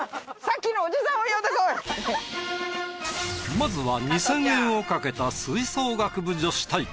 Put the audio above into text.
まずは２，０００円を賭けた吹奏楽部女子対決。